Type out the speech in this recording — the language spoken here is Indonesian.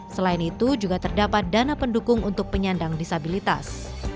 selain itu juga terdapat dana pendukung untuk penyandang disabilitas